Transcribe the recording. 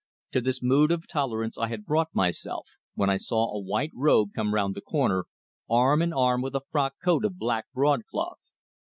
To this mood of tolerance I had brought myself, when I saw a white robe come round the corner, arm in arm with a frock coat of black broadcloth.